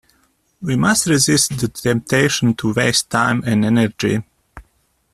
We must resist the temptation to waste time and energy.